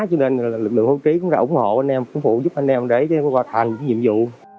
cho nên lực lượng hưu trí cũng ra ủng hộ anh em phục vụ anh em để có hoàn thành nhiệm vụ